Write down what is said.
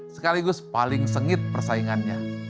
sekaligus paling sengit persaingannya